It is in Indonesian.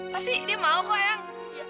pasti dia mau kok yang